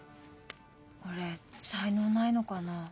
俺才能ないのかな？